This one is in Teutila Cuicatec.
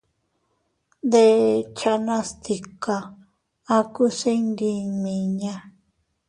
Dekchanas tika, aku se ndi nmiña.